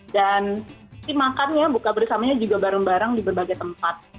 dan kita makan ya buka bersamanya juga bareng bareng di berbagai tempat